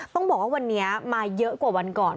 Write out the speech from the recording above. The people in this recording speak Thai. ต้องบอกว่าวันนี้มาเยอะกว่าวันก่อน